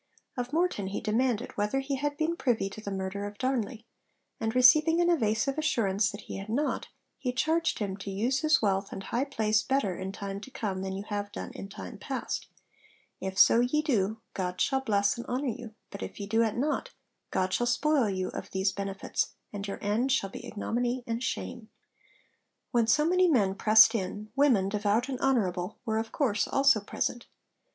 Of Morton he demanded whether he had been privy to the murder of Darnley, and receiving an evasive assurance that he had not, he charged him to use his wealth and high place 'better in time to come than you have done in time past. If so ye do, God shall bless and honour you; but if ye do it not, God shall spoil you of these benefits, and your end shall be ignominy and shame.' When so many men pressed in, women, devout and honourable, were of course also present.